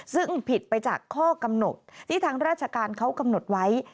ซึ่งผิดไปจากข้อกำหนดที่ทางราชการเขากำหนดไว้